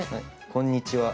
こんにちは。